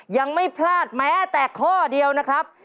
ยังไม่พลาดแม้แต่ข้อเดียวนะครับ